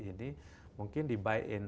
ini mungkin dibuy in